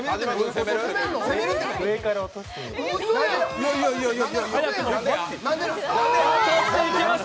上から落としてみます。